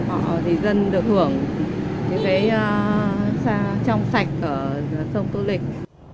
họ thì dân được hưởng những cái trong sạch ở sông tô lịch